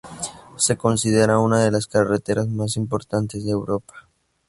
Se considera una de las carreteras más importantes de Europa.